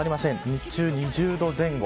日中、２０度前後。